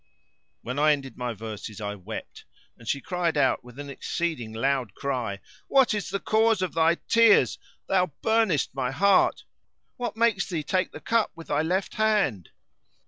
When I ended my verses I wept, and she cried out with an exceeding loud cry, "What is the cause of thy tears? Thou burnest my heart! What makes thee take the cup with thy left hand?"